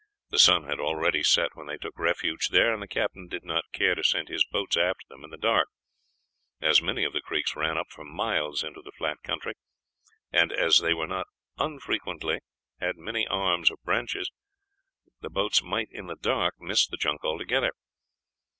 The sun had already set when they took refuge there, and the captain did not care to send his boats after them in the dark, as many of the creeks ran up for miles into the flat country; and as they not unfrequently had many arms or branches, the boats might, in the dark, miss the junk altogether.